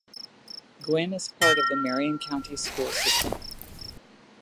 Guin is a part of the Marion County School system.